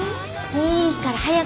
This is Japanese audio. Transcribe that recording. いいから早く早く。